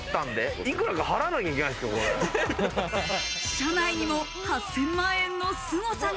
車内にも８０００万円のすごさが。